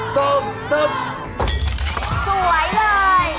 สวยเลย